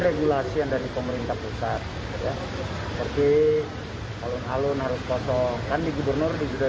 regulasi yang dari pemerintah pusat ya seperti alun alun harus kosong kan di gubernur